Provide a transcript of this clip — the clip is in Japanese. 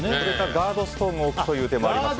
ガードストーンを置くという手もありますが。